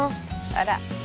あら。